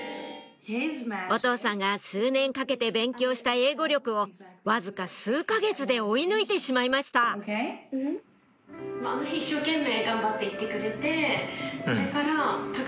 お父さんが数年かけて勉強した英語力をわずか数か月で追い抜いてしまいましたそうですかけど。